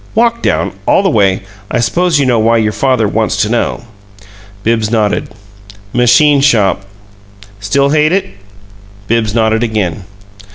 Walk down all the way. I suppose you know why your father wants to know." Bibbs nodded. "Machine shop." "Still hate it?" Bibbs nodded again.